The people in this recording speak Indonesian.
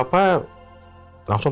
ada yang berjojol